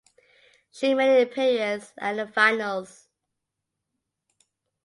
She made an appearance at the finals.